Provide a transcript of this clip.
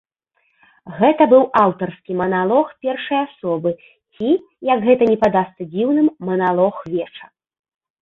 Гэта быў аўтарскі маналог першай асобы, ці, як гэта ні падасца дзіўным, маналог веча.